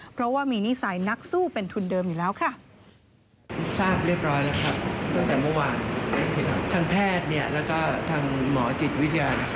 เพราะว่ามีนิสัยนักสู้เป็นทุนเดิมอยู่แล้วค่ะ